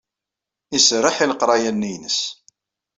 Iserreḥ i leqraya-nni-ines.